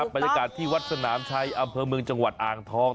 บรรยากาศที่วัดสนามชัยอำเภอเมืองจังหวัดอ่างทอง